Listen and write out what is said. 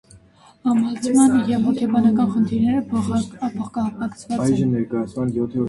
Ամլացման և հոգեբանական խնդիրները փոխկապակցված են։